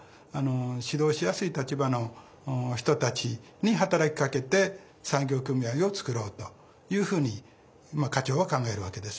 指導しやすい立場の人たちに働きかけて産業組合を作ろうというふうに課長は考えるわけです。